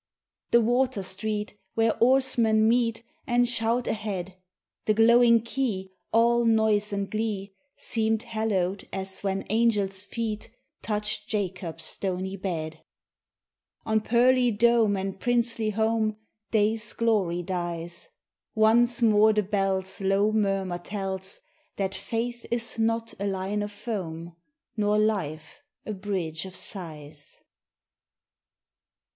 The water street where oarsmen meet And shout ahead, The glowing quay, all noise and glee, Seemed hallowed as when angels' feet Touched Jacob's stony bed. On pearly dome and princely home Day's glory dies: Once more the bells' low murmur tells That faith is not a line of foam Nor life a bridge of sighs.